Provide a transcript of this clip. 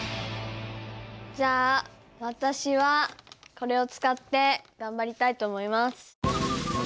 じゃあ私はこれを使って頑張りたいと思います。